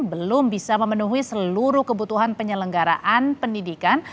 belum bisa memenuhi seluruh kebutuhan penyelenggaraan pendidikan